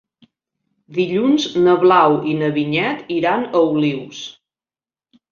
Dilluns na Blau i na Vinyet iran a Olius.